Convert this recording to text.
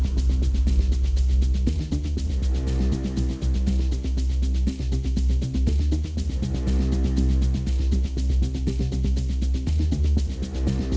เมื่อเวลาอันดับสุดท้ายมันกลายเป็นภูมิที่สุดท้าย